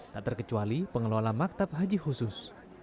tak terkecuali pengelola maktab haji khusus